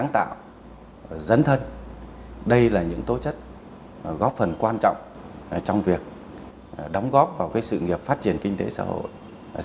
tạo dấn thân đây là những tố chất góp phần quan trọng trong việc đóng góp vào sự nghiệp phát triển kinh tế xã hội